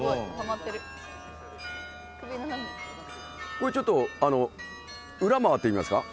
これちょっと裏回ってみますか？